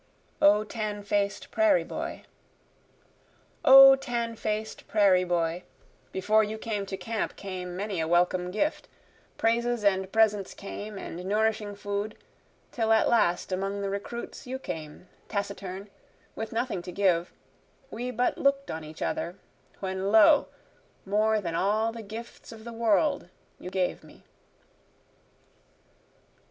O Tan Faced Prairie Boy O tan faced prairie boy, Before you came to camp came many a welcome gift, Praises and presents came and nourishing food, till at last among the recruits, You came, taciturn, with nothing to give we but look'd on each other, When lo! more than all the gifts of the world you gave me.